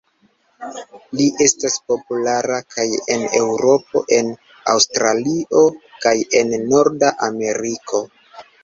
Li estas populara kaj en Eŭropo, en Aŭstralio kaj en Norda Ameriko.